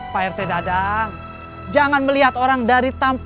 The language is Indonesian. pak rt dan pak kamtip